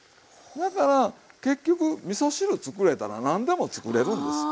だから結局みそ汁作れたら何でも作れるんですよ。